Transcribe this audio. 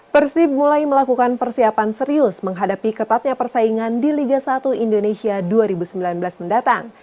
persib mulai melakukan persiapan serius menghadapi ketatnya persaingan di liga satu indonesia dua ribu sembilan belas mendatang